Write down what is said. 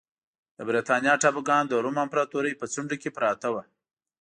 د برېټانیا ټاپوګان د روم امپراتورۍ په څنډو کې پراته وو